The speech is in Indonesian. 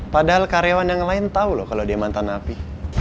padahal karyawan yang lain tau loh kalo dia mantan api